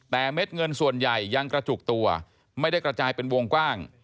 แต่เม็ดเงินส่วนใหญ่ยังกระจุกตัวไม่ได้กระจายเป็นวงกว้าง